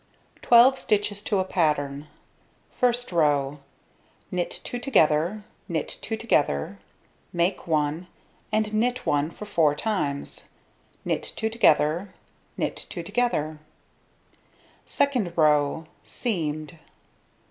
Twelve stitches to a pattern. First row: Knit 2 together, knit 2 together, make 1 and knit 1 for four times, knit 2 together, knit 2 together. Second row: Seamed.